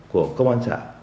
của công an xã